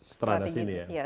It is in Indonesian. setelah ini ya